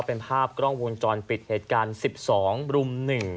เป็นภาพกล้องวงจรปิดเหตุการณ์๑๒รุม๑